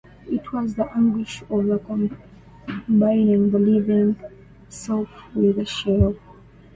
It was the anguish of combining the living self with the shell.